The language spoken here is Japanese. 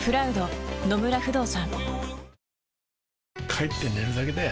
帰って寝るだけだよ